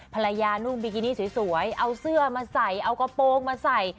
นุ่งบิกินี่สวยเอาเสื้อมาใส่เอากระโปรงมาใส่